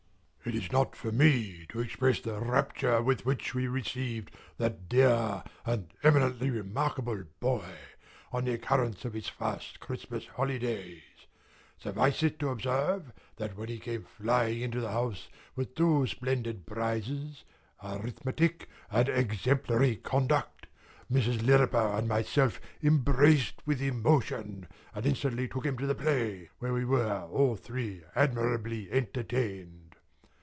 It is not for me to express the rapture with which we received that dear and eminently remarkable boy, on the occurrence of his first Christmas holidays. Suffice it to observe that when he came flying into the house with two splendid prizes (Arithmetic, and Exemplary Conduct), Mrs. Lirriper and myself embraced with emotion, and instantly took him to the Play, where we were all three admirably entertained.